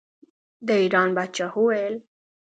د ایران پاچا وویل.